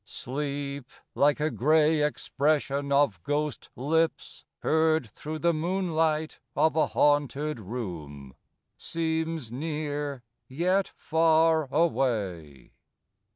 Sleep, like a gray expression of ghost lips Heard through the moonlight of a haunted room, Seems near yet far away.